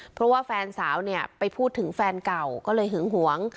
เพราะว่าแฟนสาวเนี่ยไปพูดถึงแฟนเก่าก็เลยหึงหวง